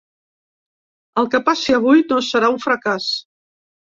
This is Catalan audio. El que passi avui no serà un fracàs.